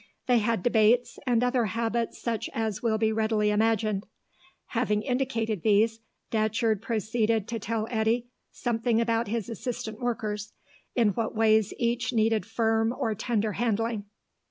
They had debates, and other habits such as will be readily imagined. Having indicated these, Datcherd proceeded to tell Eddy something about his assistant workers, in what ways each needed firm or tender handling.